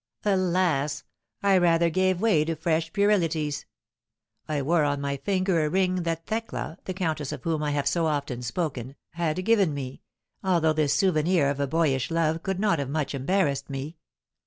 Alas! I rather gave way to fresh puerilities; I wore on my finger a ring that Thecla (the countess of whom I have so often spoken) had given me, although this souvenir of a boyish love could not have much embarrassed me.